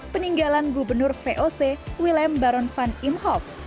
peninggalan gubernur voc wilhelm baron van imhof